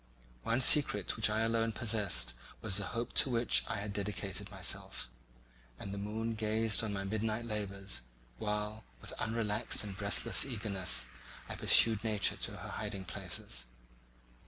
One secret which I alone possessed was the hope to which I had dedicated myself; and the moon gazed on my midnight labours, while, with unrelaxed and breathless eagerness, I pursued nature to her hiding places.